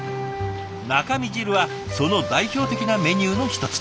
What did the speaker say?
中身汁はその代表的なメニューの一つ。